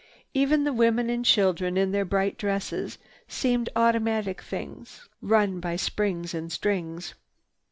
Even the women and children in their bright dresses seem automatic things run by springs and strings."